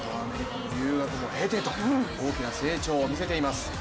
留学も経て大きな成長を見せています。